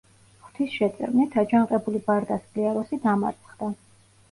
ღვთის შეწევნით, აჯანყებული ბარდა სკლიაროსი დამარცხდა.